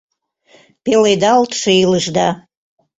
Пеледалтше илышда